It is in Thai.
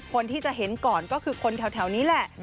คนที่จะเห็นก่อนก็คือคนแถวนี้แหละ